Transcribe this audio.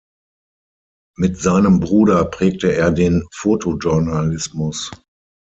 Mit seinem Bruder prägte er den Fotojournalismus.